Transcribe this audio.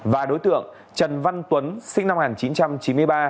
và đối tượng trần văn tuấn sinh năm một nghìn chín trăm chín mươi ba